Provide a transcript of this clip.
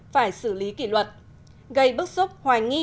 phải xử lý kỷ luật gây bức xúc hoài nghi